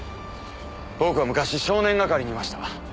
僕は昔少年係にいました。